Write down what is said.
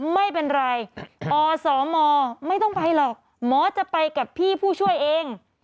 ไม่เป็นไรอสมไม่ต้องไปหรอกหมอจะไปกับพี่ผู้ช่วยเอง